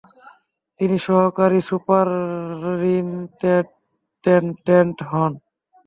তিনি সহকারী সুপারিনটেনডেন্ট হন।